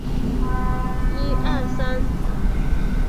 大批原效忠于伪满洲国及日本政权的人物选择投靠于国民政府。